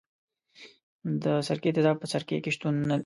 د سرکې تیزاب په سرکه کې شتون لري.